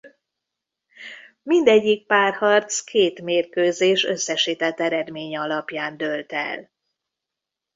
Mindegyik párharc két mérkőzés összesített eredménye alapján dőlt el.